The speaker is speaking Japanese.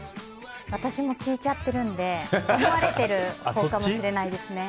私も聞いちゃってるんで思われてるかもしれないですね。